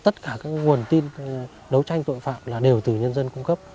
tất cả các nguồn tin đấu tranh tội phạm là đều từ nhân dân cung cấp